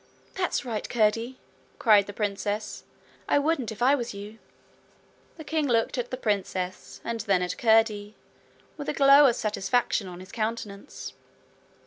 'That's right, Curdie!' cried the princess. 'I wouldn't if I was you.' The king looked at the princess and then at Curdie with a glow of satisfaction on his countenance.